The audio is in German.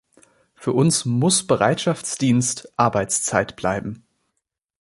Für uns muss Bereitschaftsdienst Arbeitszeit bleiben.